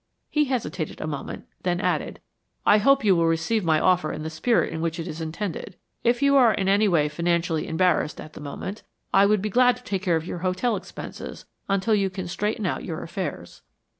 He hesitated a moment, then added, "I hope you will receive my offer in the spirit in which it is intended. If you are in any way financially embarrassed at the moment, I would be glad to take care of your hotel expenses until you can straighten out your affairs."